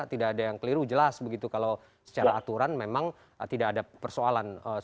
tidak ada yang keliru jelas begitu kalau secara aturan memang tidak ada persoalan